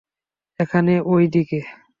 এখানে, এই দিকে।